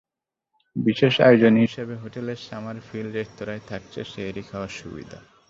বিশেষ আয়োজন হিসেবে হোটেলের সামার ফিল্ড রেস্তোরাঁয় থাকছে সেহ্রি খাওয়ার সুবিধা।